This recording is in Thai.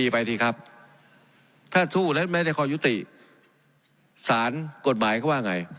ไปสิครับถ้าสู้แล้วไม่ได้คอยยุติสารกฎหมายเขาว่าไง